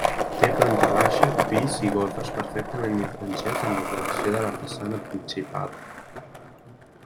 Té planta baixa, pis i golfes perfectament diferenciats en l'ordenació de la façana principal.